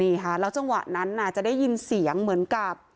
นี่ค่ะแล้วจังหวะนั้นจะได้ยินเสียงเหมือนกับ